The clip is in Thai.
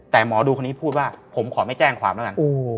แต่หมอดูคนนี้พูดว่าผมขอไม่แจ้งความแล้วกัน